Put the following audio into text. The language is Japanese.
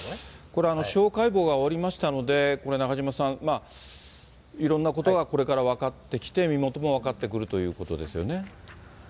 これ、司法解剖が終わりましたので、これ、中島さん、いろんなことがこれから分かってきて、身元も分かってくるということですよね。